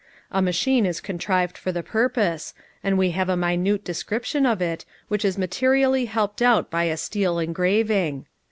A machine is contrived for the purpose, and we have a minute description of it, which is materially helped out by a steel engraving.